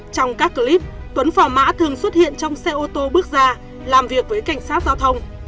trong các clip tuấn phò mã thường xuất hiện trong xe ô tô bước ra làm việc với cảnh sát giao thông